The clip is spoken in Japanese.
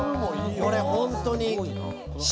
これ本当に。